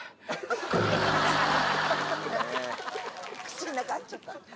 口の中入っちゃた。